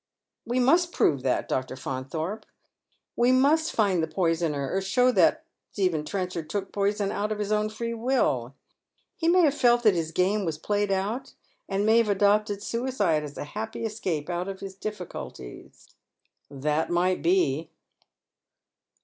" We must prove that, Dv. Faunthorpe. We must find the poisoner, or show that Stephen Trenchard took the poison of hia own free will. He may have felt that his game was played out, and may have adopted suicide as a happy escape out of his difficulties." " That might be."